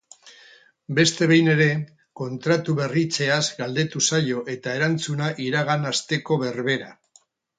Beste behin ere kontratu berritzeaz galdetu zaio eta erantzuna iragan asteko berbera.